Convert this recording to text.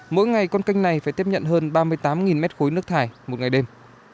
mỗi ngày con canh này phải tiếp nhận hơn ba mươi tám m ba nước thải một ngày đêm